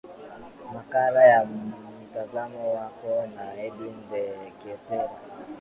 makala ya mtazamo wako na edwin deketela